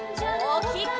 おおきく！